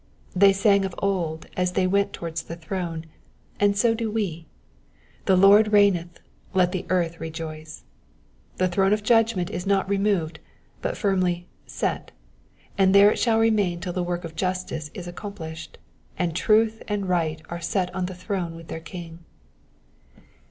They sang of old as they went towards the throne, and so do we. The Lord reigneth, let the earth rejoice.'' The throne of judgment is not removed, but firmly «^," and there it shall remain till the work of justice is accomplished, and truth and right are set on the throne with their King.